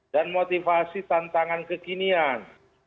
dan motivasi tantangan kekinian